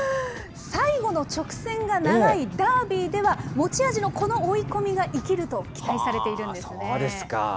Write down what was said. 最後の直線が長いダービーでは、持ち味のこの追い込みが生きると期待されているんですね。